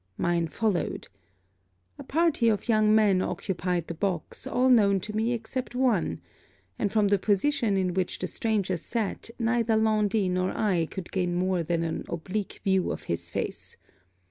Mine followed. A party of young men occupied the box, all known to me except one: and from the position in which the stranger sat neither Laundy nor I could gain more than an oblique view of his face.